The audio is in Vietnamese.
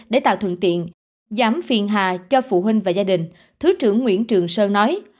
để tạo thuận tiện giảm phiền hà cho phụ huynh và gia đình thứ trưởng nguyễn trường sơn nói